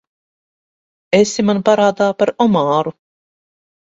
Esi man parādā par omāru.